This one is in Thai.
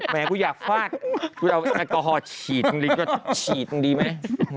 แหมกูอยากฟากกูเอาอัลกอฮอล์ฉีดทั้งลิกก็ฉีดตรงนี้ไหม